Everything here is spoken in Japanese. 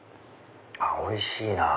おいしいなぁ。